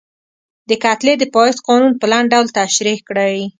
د کتلې د پایښت قانون په لنډ ډول تشریح کړئ.